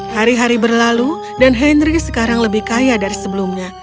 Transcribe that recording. hari hari berlalu dan henry sekarang lebih kaya dari sebelumnya